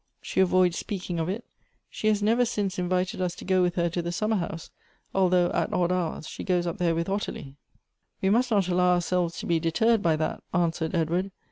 She avoids speaking of it. She has never since invited us to go with her to the summer house, although at odd hours she goes up there with Ottilie." " We must not allow ourselves to be deterred by that," answered Edward.